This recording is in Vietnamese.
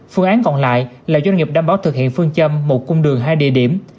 phương án còn lại là doanh nghiệp đảm bảo thực hiện phương châm một cung đường hai địa điểm